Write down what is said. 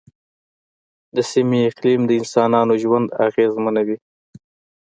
د سیمې اقلیم د انسانانو ژوند اغېزمنوي.